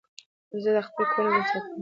زه د خپل کور نظم ساتم.